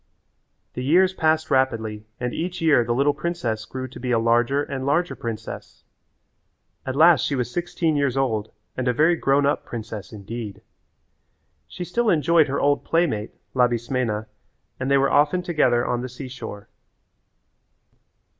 The years passed rapidly and each year the little princess grew to be a larger and larger princess. At last she was sixteen years old and a very grown up princess indeed. She still enjoyed her old playmate, Labismena, and they were often together on the seashore.